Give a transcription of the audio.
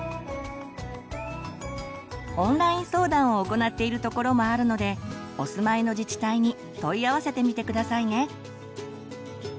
オンライン相談を行っている所もあるのでお住まいの自治体に問い合わせてみて下さいね。